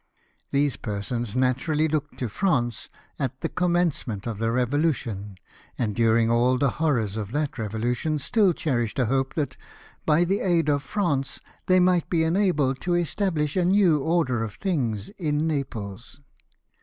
These persons naturally looked to France at the commencement of the Eevolution, and during all the horrors of that Revolution still cherished a hope that, by the aid of France they might be enabled to establish a new order of things in Naples.